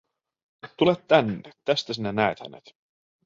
Tule tänne, tästä sinä näet hänet.